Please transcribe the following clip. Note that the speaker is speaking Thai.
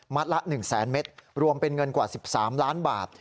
ละ๑แสนเมตรรวมเป็นเงินกว่า๑๓ล้านบาท